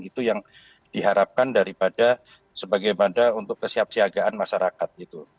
itu yang diharapkan daripada sebagaimana untuk kesiapsiagaan masyarakat